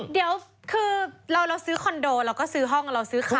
เดี๋ยวคือเราซื้อคอนโดเราก็ซื้อห้องเราซื้อขาย